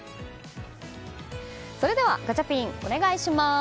それではガチャピンお願いします。